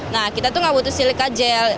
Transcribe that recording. nah kita tuh gak butuh silika jell